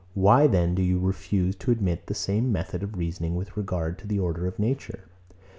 Why then do you refuse to admit the same method of reasoning with regard to the order of nature?